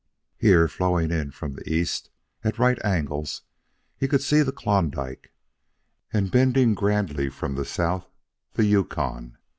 Here, flowing in from the east at right angles, he could see the Klondike, and, bending grandly from the south, the Yukon.